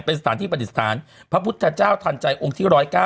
เป็นสถานที่ประดิษฐานพระพุทธเจ้าทันใจองค์ที่๑๐๙